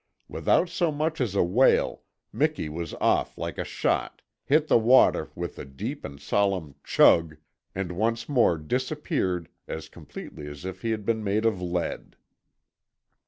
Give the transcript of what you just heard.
Without so much as a wail Miki was off like a shot, hit the water with a deep and solemn CHUG, and once more disappeared as completely as if he had been made of lead.